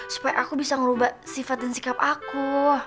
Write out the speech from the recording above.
supaya aku bisa ngerubah sifat dan sikap aku